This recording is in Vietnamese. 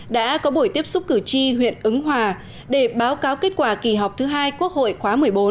đã có buổi tiếp xúc cử tri huyện ứng hòa để báo cáo kết quả kỳ họp thứ hai quốc hội khóa một mươi bốn